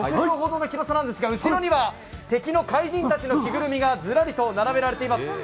６畳ほどの広さなんですが、後ろには敵の怪人たちの着ぐるみがずらりと並べられています。